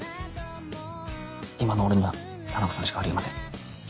今の俺には沙名子さんしかありえません。